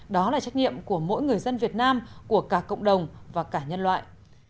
đó là trách nhiệm của mỗi người dân việt nam của cả cộng đồng và cả nhân loại